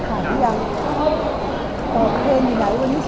จะเริ่มขายพร้อมหรือยัง